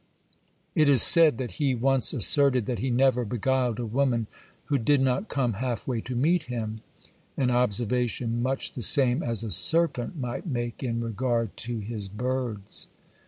It is said that he once asserted that he never beguiled a woman who did not come half way to meet him,—an observation much the same as a serpent might make in regard to his birds.